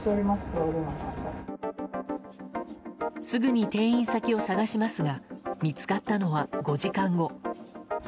すぐに転院先を探しますが見つかったのは、５時間後。